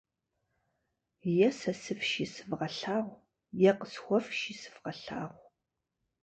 Е сэ сыфши сывгъэлъагъу, е къысхуэфши сывгъэлъагъу.